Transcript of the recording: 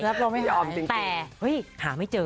แต่เฮ้ยหาไม่เจอ